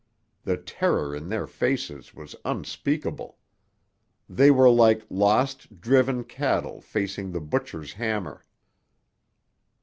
The terror in their faces was unspeakable. They were like lost, driven cattle facing the butcher's hammer.